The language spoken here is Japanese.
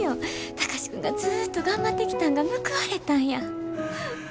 貴司君がずっと頑張ってきたんが報われたんや。